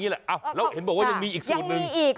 แล้วเห็นบอกว่ายังมีอีกสูตรหนึ่งอีก